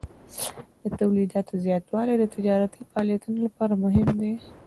د تولیداتو زیاتوالی د تجارتي فعالیتونو لپاره مهم دی.